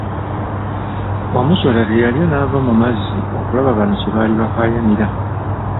Wamusota teyalwa n'ava mu mazzi okulaba bano kye baali bakaayanira.